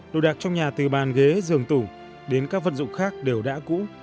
đồ đạc trong nhà từ bàn ghế giường tủ đến các vật dụng khác đều đã cũ